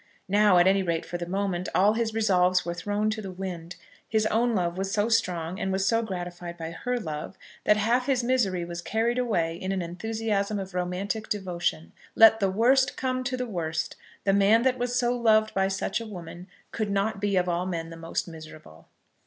Now, at any rate for the moment, all his resolves were thrown to the wind. His own love was so strong and was so gratified by her love, that half his misery was carried away in an enthusiasm of romantic devotion. Let the worst come to the worst, the man that was so loved by such a woman could not be of all men the most miserable.